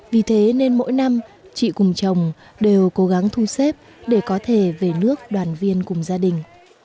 vì thế nên mỗi năm chị cùng chồng đều cố gắng thu xếp để có thể về nước đoàn viên cùng gia đình